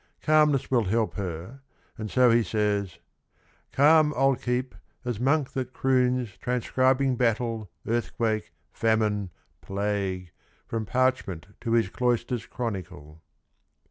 Calmness will help her and so he says : "Calm I '11 keep as monk that croons Transcribing battle, earthquake, famine, plague, From parchment to his cloister's chronicle."